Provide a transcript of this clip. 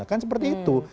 kan seperti itu